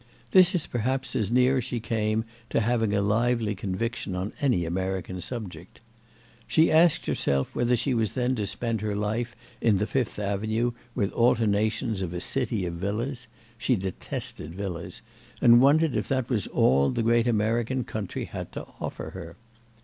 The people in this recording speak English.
This is perhaps as near as she came to having a lively conviction on any American subject. She asked herself whether she was then to spend her life in the Fifth Avenue with alternations of a city of villas—she detested villas—and wondered if that was all the great American country had to offer her.